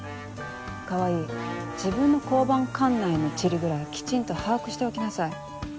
川合自分の交番管内の地理ぐらいきちんと把握しておきなさい。